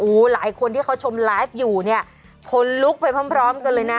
หลายคนที่เขาชมไลฟ์อยู่เนี่ยคนลุกไปพร้อมพร้อมกันเลยนะ